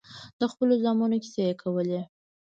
د خپلو زامنو کيسې يې کولې.